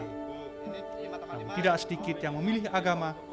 namun tidak sedikit yang memilih agama